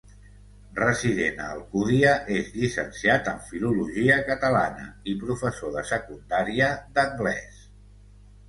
Resident a Alcúdia, és llicenciat en filologia catalana, i professor de secundària d'anglès.